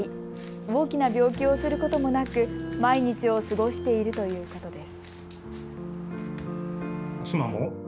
大きな病気をすることもなく毎日を過ごしているということです。